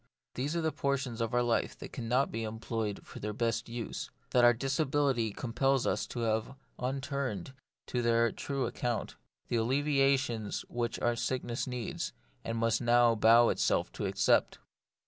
These are the portions of our life that cannot be employed for their best use ; that our disability compels us to leave unturned to their true account ; the alleviations which our sickness needs, and must bow itself to accept.